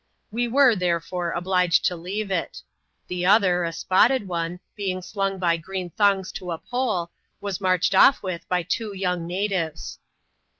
We were, therefore, obliged to leave it. The other, a spotted one, being slung by green thongs to a pole, was marched off with by two young natives.